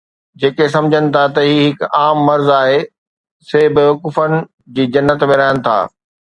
جيڪي سمجهن ٿا ته هي هڪ عام مرض آهي، سي بيوقوفن جي جنت ۾ رهن ٿا